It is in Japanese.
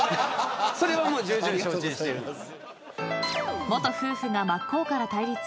それはもう重々承知してるんです。